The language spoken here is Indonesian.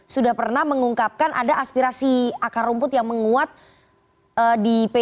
sudah pernah mengungkapkan ada aspirasi akar rumput yang menguat di p tiga